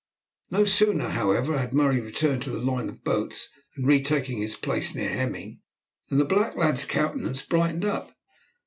No sooner, however, had Murray returned to the line of boats and retaken his place near Hemming, than the black lad's countenance brightened up.